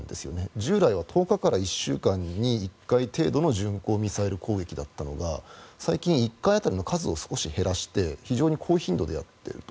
従来は１０日から１週間に１回程度の巡航ミサイル攻撃だったのが最近、１回当たりの数を少し減らして非常に高頻度でやっていると。